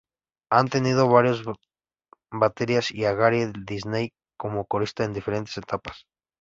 Han tenido varios baterías y a Gary Lindsey como corista en diferentes etapas.